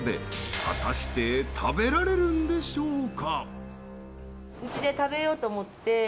果たして食べられるんでしょうか？